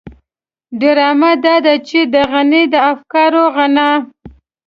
ډرامې دادي چې د غني د افکارو غنا.